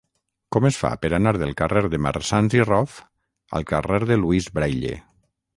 Com es fa per anar del carrer de Marsans i Rof al carrer de Louis Braille?